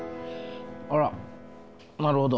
あらなるほど。